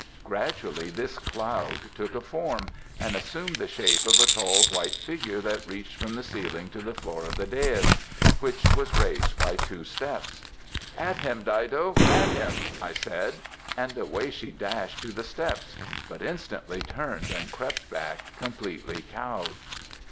"Gradually, this cloud took a form, and assumed the shape of a tall white figure that reached from the ceiling to the floor of the dais, which was raised by two steps. At him, Dido! At him! I said, and away she dashed to the steps, but instantly turned and crept back completely cowed.